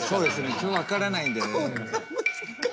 基本分からないんでね。